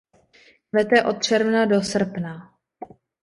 Kvete od června do srpna.